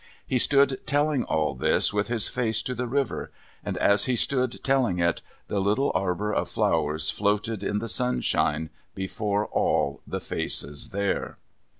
He stood telling all this, with his face to the river; and, as he stood telling it, the little arbour of flowers floated in the sunshine before all the faces there.